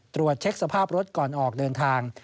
ตรวจเช็คสภาพรถก่อนออกเดินทาง